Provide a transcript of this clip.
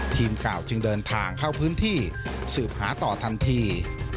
ทีมข่าวจึงเดินทางเข้าพื้นที่สืบหาต่อทันที